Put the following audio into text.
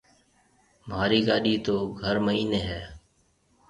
مهارِي گاڏِي تو گهر مئينَي هيَ۔